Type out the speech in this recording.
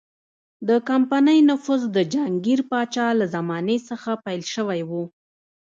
د کمپنۍ نفوذ د جهانګیر پاچا له زمانې څخه پیل شوی و.